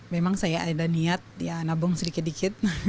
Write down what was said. memang saya ada niat ya nabung sedikit dikit